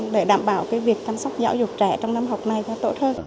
để đảm bảo việc chăm sóc giáo dục trẻ trong năm học này cho tổ thương